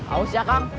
aus ya kang